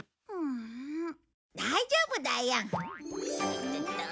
大丈夫だよ。